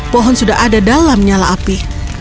pohon sudah ada dalam nyala api